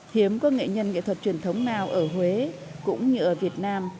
hiếm có nghệ nhân nghệ thuật truyền thống nào ở huế cũng như ở việt nam